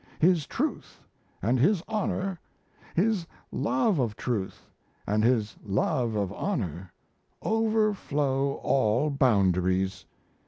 His truth and his honour, his love of truth and his love of honour, overflow all boundaries.